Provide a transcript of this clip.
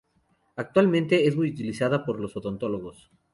Actualmente, es muy utilizada por los odontólogos.